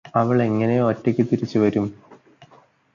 അവൾ എങ്ങനെ ഒറ്റക്ക് തിരിച്ചു വരും